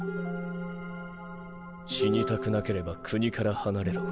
死にたくなければ国から離れろ